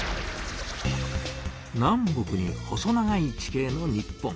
南北に細長い地形の日本。